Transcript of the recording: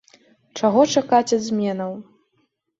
Чаго чакаць ад зменаў?